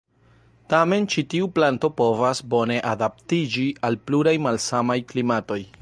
Tamen ĉi tiu planto povas bone adaptiĝi al pluraj malsamaj klimatoj.